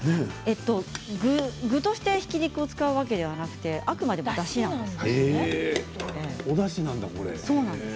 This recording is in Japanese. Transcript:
具としてひき肉を使うわけではなくてあくまでも、だしなんです。